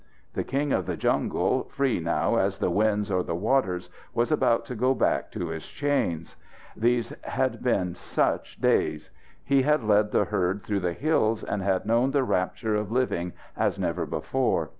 The king of the jungle, free now as the winds or the waters, was about to go back to his chains. These had been such days! He had led the herd through the hills, and had known the rapture of living as never before.